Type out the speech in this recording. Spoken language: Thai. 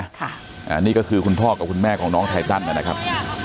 อันนี้ก็คือคุณพ่อกับคุณแม่ของน้องไทตันนะครับ